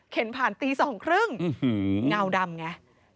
เข็นผ่านตีสองครึ่งงาวดำไง